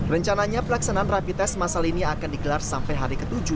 rencananya pelaksanaan rapi tes masal ini akan digelar sampai hari ke tujuh